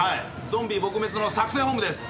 ゾンビ撲滅の作戦本部です。